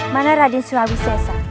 mana raden suawi sesar